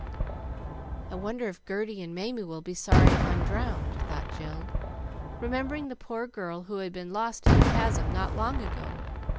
"I wonder if Gerty and Mamie will be sorry if I'm drowned," thought Jill, remembering the poor girl who had been lost in the Chasm not long ago.